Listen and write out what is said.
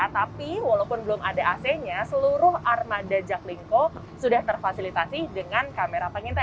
tapi walaupun belum ada ac nya seluruh armada jaklingko sudah terfasilitasi dengan kamera pengintai